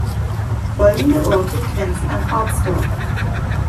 Folgende Orte grenzen an Arzdorf.